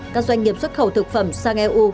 các doanh nghiệp xuất khẩu thực phẩm sang eu